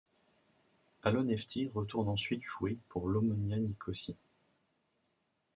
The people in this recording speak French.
Alonéftis retourne ensuite jouer pour l'Omonia Nicosie.